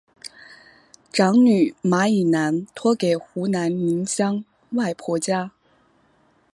长女马以南托给湖南宁乡外婆家。